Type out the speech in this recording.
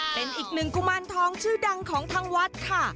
เป็นอีกหนึ่งกุมารทองชื่อดังของทางวัดค่ะ